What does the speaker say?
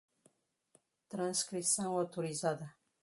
Transcrição autorizada